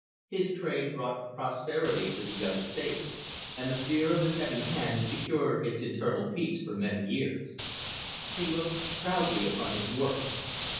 His trade brought prosperity to the young state, and the fear of his heavy hand secured its internal peace for many years. He looked proudly upon his work.